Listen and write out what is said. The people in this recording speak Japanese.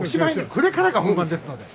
ここからが本番です。